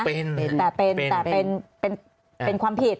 เป็นความผิด